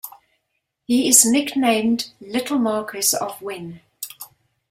He is nicknamed "Little Marquis of Wen".